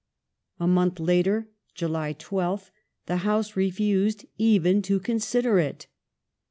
A month later (July 12th) the House refused even to consider it.